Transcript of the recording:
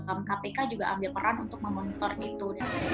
tapi bagaimana kemudian kpk juga ambil peran untuk memonitor itu